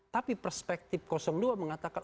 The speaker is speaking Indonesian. tapi perspektif dua mengatakan